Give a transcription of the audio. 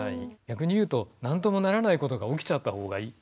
逆に言うと何ともならないことが起きちゃったほうがいいぐらい。